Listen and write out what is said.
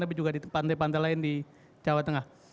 tapi juga di pantai pantai lain di jawa tengah